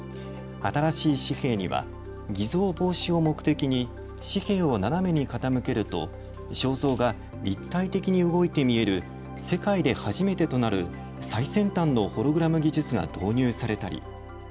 新しい紙幣には偽造防止を目的に紙幣を斜めに傾けると肖像が立体的に動いて見える世界で初めてとなる最先端のホログラム技術が導入されたり。